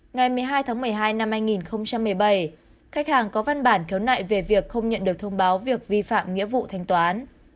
ngày một mươi hai tháng một mươi hai năm hai nghìn một mươi bảy khách hàng có văn bản khiếu nại về việc không nhận được thông báo việc vi phạm nghĩa vụ thanh toán